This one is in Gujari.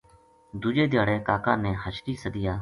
دُوجے دھیاڑے کا کا نے حشری سدیا